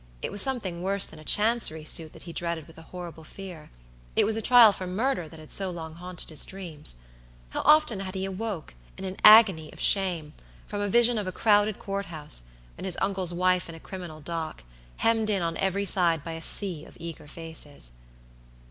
It was something worse than a Chancery suit that he dreaded with a horrible fear. It was a trial for murder that had so long haunted his dreams. How often he had awoke, in an agony of shame, from a vision of a crowded court house, and his uncle's wife in a criminal dock, hemmed in on every side by a sea of eager faces.